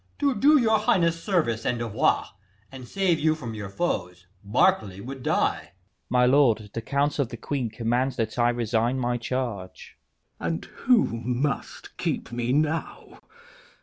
To do your highness service and devoir, And save you from your foes, Berkeley would die. Leices. My lord, the council of the queen command That I resign my charge. K. Edw. And who must keep me now?